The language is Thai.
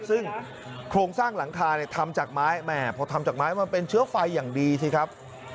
ซึ่งโครงสร้างหลังคาทำจากไม้แหมพอทำจากไม้มันเป็นเชื้อไฟอย่างดีสิครับ